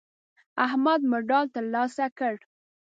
احمد مډال ترلاسه کړ.